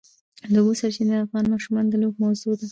د اوبو سرچینې د افغان ماشومانو د لوبو موضوع ده.